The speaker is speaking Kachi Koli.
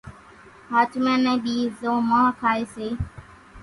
ۿاچمان ني ۮي زو مانۿ کائي سي